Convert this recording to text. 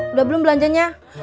udah belum belanjanya